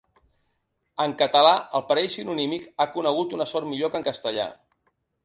En català el parell sinonímic ha conegut una sort millor que en castellà.